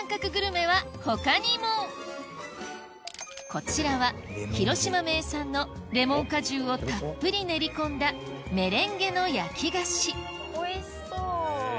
こちらは広島名産のレモン果汁をたっぷり練り込んだメレンゲの焼き菓子おいしそう。